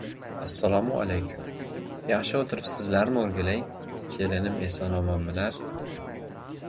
— Assalomu alaykum. Yaxshi o‘tiribsizlarmi, o‘rgilay? Kelinim eson-omon- milar?